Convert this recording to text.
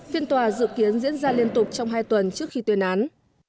phiên tòa dự kiến diễn ra liên tục trong hai tuần trước khi tuyên án